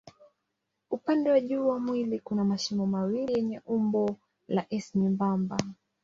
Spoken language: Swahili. Upande wa juu wa mwili kuna mashimo mawili yenye umbo la S nyembamba.